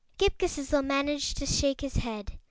Ghip Ghisizzle managed to shake his head.